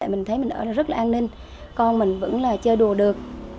mình thấy mình ở rất là an ninh con mình vẫn là chơi đùa được